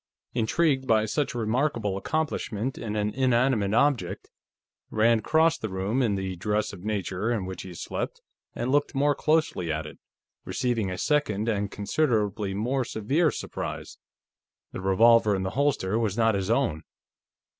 Intrigued by such a remarkable accomplishment in an inanimate object, Rand crossed the room in the dress of nature in which he slept and looked more closely at it, receiving a second and considerably more severe surprise. The revolver in the holster was not his own.